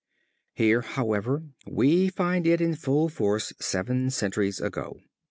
Here, however, we find it in full force seven centuries ago.